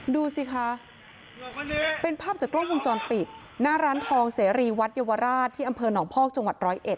ดูสิคะเป็นภาพจากกล้องวงจรปิดหน้าร้านทองเสรีวัดเยาวราชที่อำเภอหนองพอกจังหวัดร้อยเอ็ด